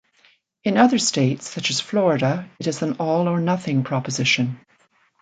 In other states, such as Florida, it is an all or nothing proposition.